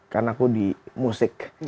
kan aku di musik